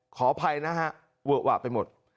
ขออภัยนะฮะเวอะหวะไปหมด